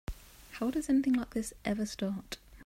How does anything like this ever start?